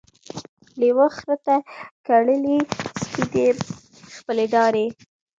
لېوه خره ته کړلې سپیني خپلي داړي